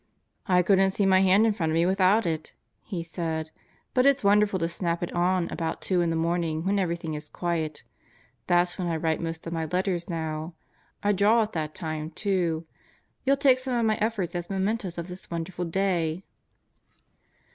"I couldn't see my hand in front of me without it," he said. "But it's wonderful to snap it on about two in the morning, when everything is quiet. That's when I write most of my letters now. I draw at that time, too. You'll take some of my efforts as mementos of this wonderful day."